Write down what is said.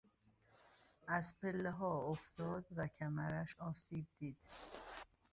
از پلهها افتاد و کمرش آسیب دید.